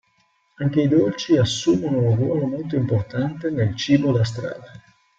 Anche i dolci assumono un ruolo molto importante nel cibo da strada.